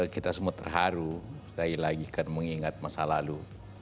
kita semua terharu sekali lagi kan mengingat masa lalu